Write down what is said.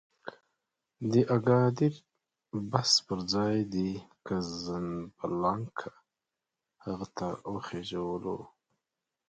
د اګادیر بس پر ځای د کزنبلاکه هغه ته وخېژولو.